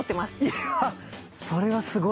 いやっそれはすごいな。